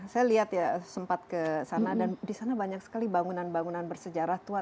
saya lihat ya sempat ke sana dan di sana banyak sekali bangunan bangunan bersejarah tua